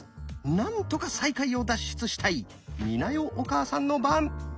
なんとか最下位を脱出したい美奈代お母さんの番。